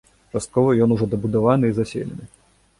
Часткова ён ужо дабудаваны і заселены.